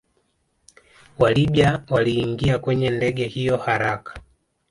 WaLibya waliingia kwenye ndege hiyo haraka